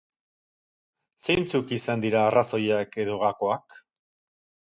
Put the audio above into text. Zeintzuk izan dira arraoziak edo gakoak?